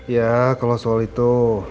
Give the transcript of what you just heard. ya kalau soal itu